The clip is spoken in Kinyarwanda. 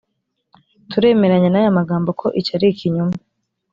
turemeranya n’aya magambo ko icyo ari ikinyoma